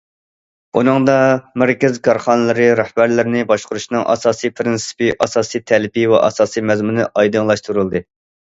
ئۇنىڭدا، مەركەز كارخانىلىرى رەھبەرلىرىنى باشقۇرۇشنىڭ ئاساسىي پىرىنسىپى، ئاساسىي تەلىپى ۋە ئاساسىي مەزمۇنى ئايدىڭلاشتۇرۇلدى.